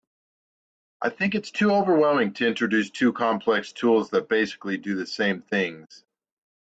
I think it’s too overwhelming to introduce two complex tools that basically do the same things.